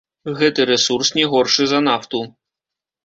Гэты рэсурс не горшы за нафту.